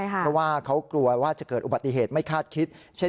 เพราะว่าเขากลัวว่าจะเกิดอุบัติเหตุไม่คาดคิดเช่น